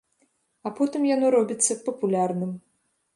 А потым яно робіцца папулярным.